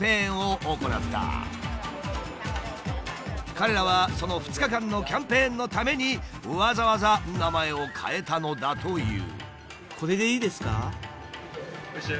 彼らはその２日間のキャンペーンのためにわざわざ名前を変えたのだという。